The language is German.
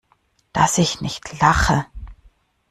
Dass ich nicht lache!